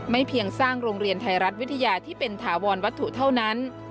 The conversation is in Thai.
เพียงสร้างโรงเรียนไทยรัฐวิทยาที่เป็นถาวรวัตถุเท่านั้น